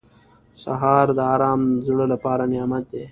سهار د ارام زړه لپاره نعمت دی.